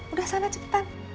udah sana cepetan